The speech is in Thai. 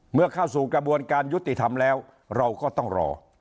เมื่อเข้าสู่กระบวนการยุติธรรมแล้วเราก็ต้องรอ